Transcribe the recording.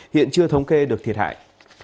hiện chưa thống kê được thiệt hại